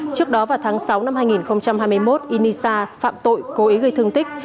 trước đó vào tháng sáu năm hai nghìn hai mươi một inisa phạm tội cối gây thương tích